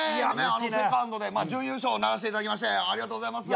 『ＳＥＣＯＮＤ』で準優勝ならせていただきましてありがとうございます。